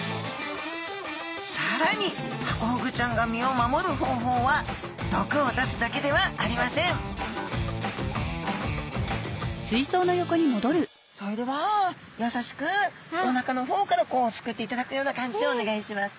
さらにハコフグちゃんが身を守る方法は毒を出すだけではありませんそれではやさしくおなかの方からこうすくっていただくような感じでお願いします。